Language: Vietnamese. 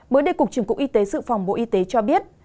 mới đây cục trưởng cục y tế sự phòng bộ y tế cho biết